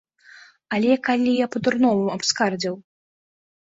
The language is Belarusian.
Але калі я па-дурному абскардзіў?